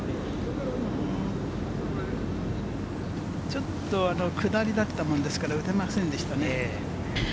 ちょっと下りだったものですから打てませんでしたね。